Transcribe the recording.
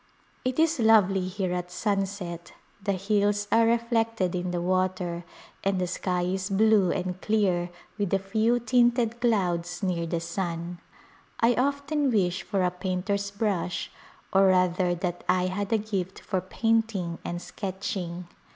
It is lovely here at sunset ; the hills are reflected in the water, and the sky is blue and clear with a few tinted clouds near the sun. I often wish for a painter's brush, or rather that I had a gift for painting and sketching.